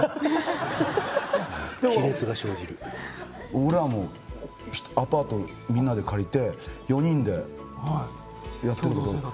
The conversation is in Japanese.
俺らもアパートみんなで借りて４人でやってたけど。